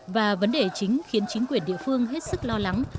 và vấn đề chính khiến chính quyền địa phương hết sức lo lắng